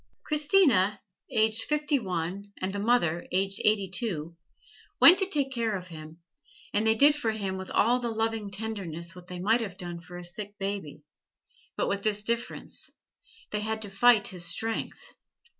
Christina, aged fifty one, and the mother, aged eighty two, went to take care of him, and they did for him with all the loving tenderness what they might have done for a sick baby; but with this difference they had to fight his strength.